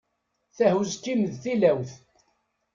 Tahuski-m d tilawt.